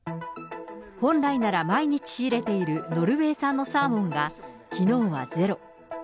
本来なら毎日仕入れているノルウェー産のサーモンがきのうはゼロ。